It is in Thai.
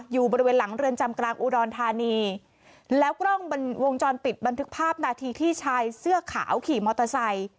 อยู่บริเวณหลังเรือนจำกลางอุดรธานีแล้วกล้องวงจรปิดบันทึกภาพนาทีที่ชายเสื้อขาวขี่มอเตอร์ไซค์